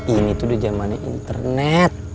ini tuh udah zamannya internet